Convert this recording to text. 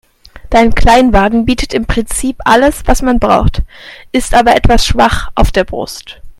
Dein Kleinwagen bietet im Prinzip alles, was man braucht, ist aber etwas schwach auf der Brust.